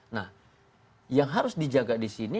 nah yang harus dijaga disini